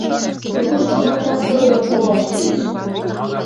Юкыштымат раскыдынок колаш лиэш.